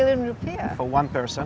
untuk satu orang